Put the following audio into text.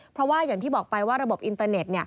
เพราะว่าอย่างที่บอกไปว่าระบบอินเตอร์เน็ต